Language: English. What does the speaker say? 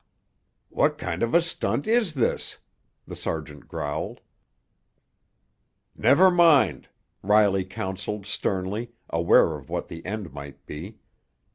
"What kind of a stunt is this?" the sergeant growled. "Never mind!" Riley counseled sternly, aware of what the end might be.